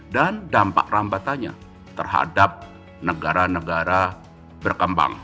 dan dampak rampatannya terhadap negara negara berkembang